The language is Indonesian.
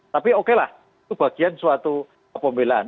tapi okelah itu bagian suatu kepemilaan